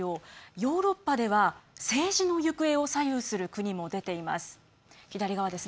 ヨーロッパでは政治の行方を左右する国も出ています。